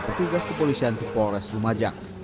bertugas kepolisian di polres lumajang